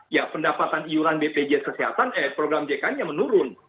ya pendapatan iuran bpjs kesehatan eh program jk nya menurun